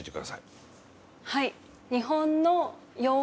はい。